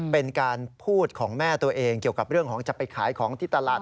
เป็นการพูดของแม่ตัวเองเกี่ยวกับเรื่องของจะไปขายของที่ตลาด